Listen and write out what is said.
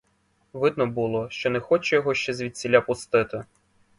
Видно було, що не хоче його ще звідсіля пустити.